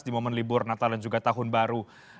di momen libur natal dan juga tahun baru